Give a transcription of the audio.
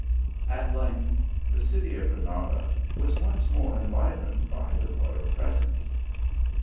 At length, the city of Granada was once more en livened by the royal presence.